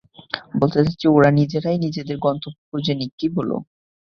বলতে চাচ্ছি, ওরা নিজেরাই নিজেদের গন্তব্য খুঁজে নিক, কী বলো?